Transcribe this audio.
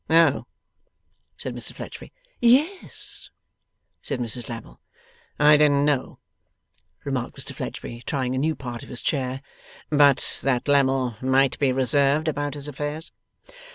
'Oh!' said Mr Fledgeby. 'Yes,' said Mrs Lammle. 'I didn't know,' remarked Mr Fledgeby, trying a new part of his chair, 'but that Lammle might be reserved about his affairs.